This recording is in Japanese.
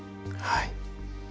はい。